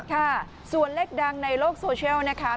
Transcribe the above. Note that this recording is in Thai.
ค่ะส่วนเลขดังในโลกโซเชียลนะคะ